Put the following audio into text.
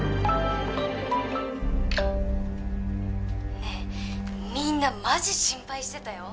「ねえみんなマジ心配してたよ」